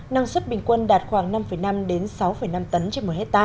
năng suất bình quân đạt khoảng năm năm sáu năm tấn trên một hectare